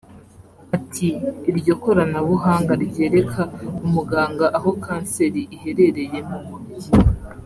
Ati “Iryo koranabuhanga ryereka umuganga aho kanseri iherereye mu mubiri